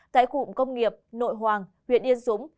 tại cụm công nghiệp nội hoàng huyện yên dũng